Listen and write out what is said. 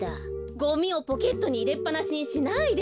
ゴミをポケットにいれっぱなしにしないで。